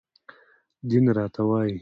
دين راته وايي